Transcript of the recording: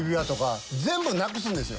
全部なくすんですよ。